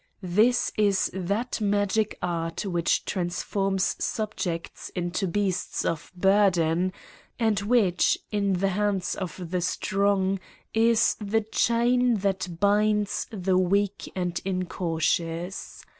This is that magic art which trans forms subjects into beasts of burden, and which, in the hands of the strong, is the chain that binds the weak and incautious.